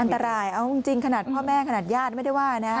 อันตรายเอาจริงขนาดพ่อแม่ขนาดญาติไม่ได้ว่านะ